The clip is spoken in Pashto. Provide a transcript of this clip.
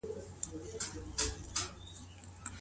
په اسلام کي د ښځي حقوق څه دي؟